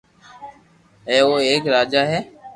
ھي او ايڪ راجا ھي